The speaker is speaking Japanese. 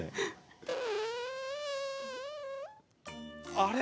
あれ？